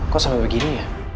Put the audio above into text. kok sampai begini ya